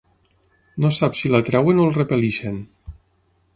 No sap si l'atreuen o el repel·leixen.